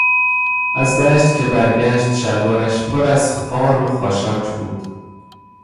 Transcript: از دشت که برگشت شلوارش پر از خار و خاشاک بود.